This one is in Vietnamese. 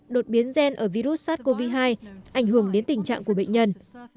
đột biến gen ở virus sars cov hai ảnh hưởng đến tình trạng của bệnh nhân